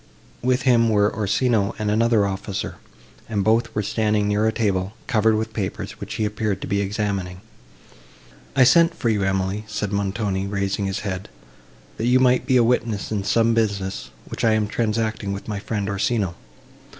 With him were Orsino and another officer, and both were standing near a table, covered with papers, which he appeared to be examining. "I sent for you, Emily," said Montoni, raising his head, "that you might be a witness in some business, which I am transacting with my friend Orsino.